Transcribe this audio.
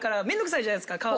面倒くさいじゃないですか